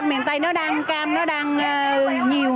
ở miền tây cam nó đang nhiều